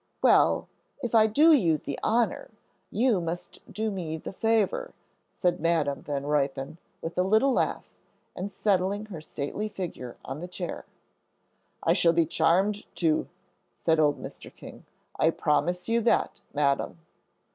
"Well, if I do you the honor, you must do me the favor," said Madam Van Ruypen, with a little laugh, and settling her stately figure on the chair. "I shall be charmed to," said old Mr. King, "I promise you that, Madam."